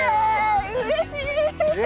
うれしい！